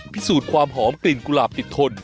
พิสูจน์ความหอมกลิ่นกุหลาบติดทน